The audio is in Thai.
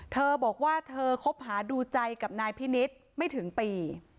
เธอบอกว่าเธอคบหาดูใจกับนายพินิษฐ์ไม่ถึงปี